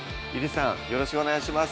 よろしくお願いします